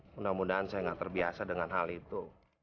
mudah mudahan saya nggak terbiasa dengan hal itu